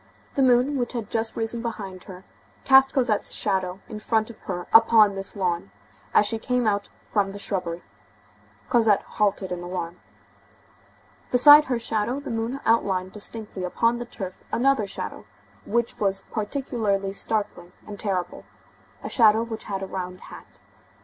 The moon, which had just risen behind her, cast Cosette's shadow in front of her upon this lawn, as she came out from the shrubbery. Cosette halted in alarm. Beside her shadow, the moon outlined distinctly upon the turf another shadow, which was particularly startling and terrible, a shadow which had a round hat.